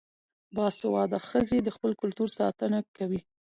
باسواده ښځې د خپل کلتور ساتنه کوي.